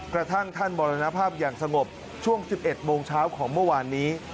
กระทั่งท่านมรณภาพอย่างสงบช่วง๑๑โมงเช้าของเมื่อวานนี้